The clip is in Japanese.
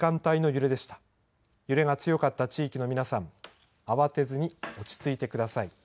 揺れが強かった地域の皆さん、慌てずに落ち着いてください。